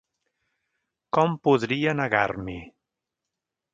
¿Com podria negar-m'hi?